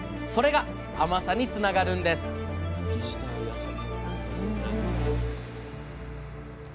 それが甘さにつながるんですえ！